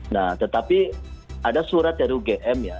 nah tetapi ada surat dari ugm ya